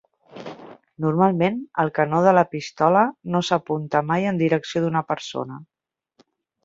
Normalment el canó de la pistola no s'apunta mai en direcció d'una persona.